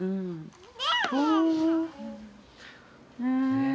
うん。